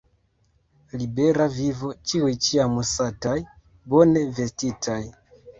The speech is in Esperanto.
Libera vivo, ĉiuj ĉiam sataj, bone vestitaj!